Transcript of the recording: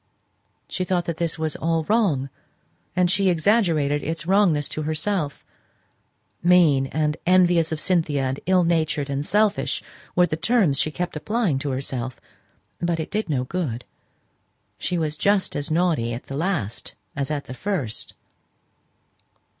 She thought that all this was wrong; and she exaggerated its wrongness to herself; "mean," and "envious of Cynthia," and "ill natured," and "selfish," were the terms she kept applying to herself; but it did no good, she was just as naughty at the last as at the first.